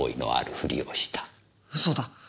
嘘だ！